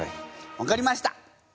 分かりました。